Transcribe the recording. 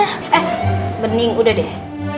eh bening udah deh